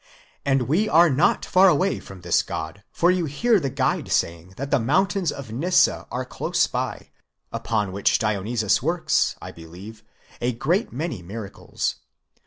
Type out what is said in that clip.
. And we are not far away from this god, for you hear the guide saying that the mountain of Nysa is close by, upon which Dionysus works, I believe, a great many miracles.